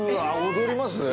踊ります？